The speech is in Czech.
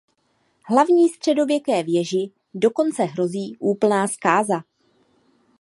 Hlavní středové věži dokonce hrozí úplná zkáza.